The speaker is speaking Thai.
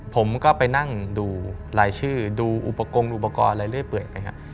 ผมก็ไปนั่งดูรายชื่อดูอุปกรณ์อุปกรณ์อะไรเรื่อยเปื่อยไปครับ